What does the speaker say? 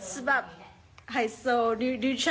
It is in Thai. ฮึมกีฟฟะ